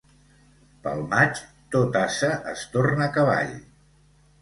Pel maig tot ase es torna cavall.